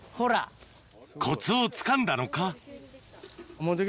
コツをつかんだのか？